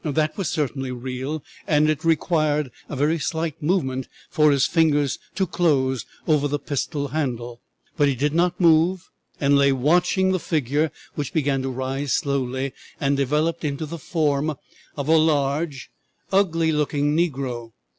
That was certainly real, and it required a very slight movement for his fingers to close over the pistol handle; but he did not move and lay watching the figure, which began to rise slowly and developed into the form of a large, ugly looking negro.